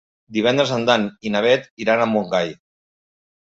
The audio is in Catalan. Divendres en Dan i na Bet iran a Montgai.